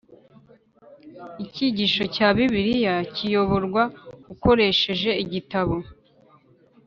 icyigisho cya Bibiliya kiyoborwa ukoresheje igitabo.